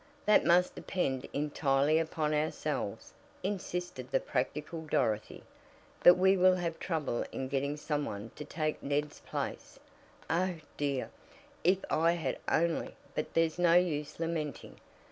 "That must depend entirely upon ourselves," insisted the practical Dorothy. "But we will have trouble in getting some one to take Ned's place Oh, dear, if I had only but there's no use lamenting."